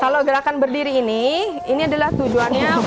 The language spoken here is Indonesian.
kalau gerakan berdiri ini ini adalah tujuannya